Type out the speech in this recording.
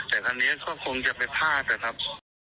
แต่ทางนี้ก็คงจะไปพลาดนะครับ